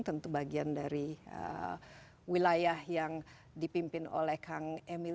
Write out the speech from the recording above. tentu bagian dari wilayah yang dipimpin oleh kang emil